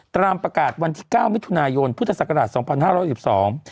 ตามประกาศวันที่เก้ามิถุนายนพุทธศักราชสองพันห้าร้อยสิบสอง